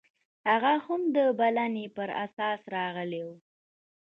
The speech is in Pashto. هغه هم د بلنې پر اساس راغلی و.